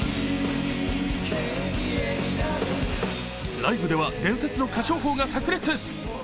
ライブでは伝説の歌唱法がさく裂。